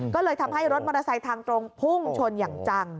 ก็เลยทำให้รถมอเตอร์ไซค์ทางตรงพุ่งชนอย่างจัง